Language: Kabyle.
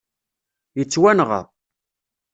Yettwanɣa